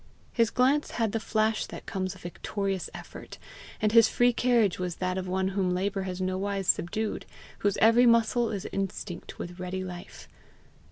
His glance had the flash that comes of victorious effort, and his free carriage was that of one whom labour has nowise subdued, whose every muscle is instinct with ready life.